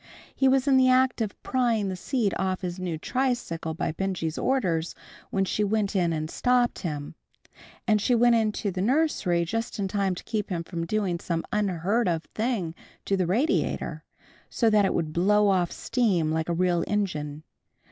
He was in the act of prying the seat off his new tricycle by Benjy's orders when she went in and stopped him, and she went into the nursery just in time to keep him from doing some unheard of thing to the radiator, so that it would blow off steam like a real engine.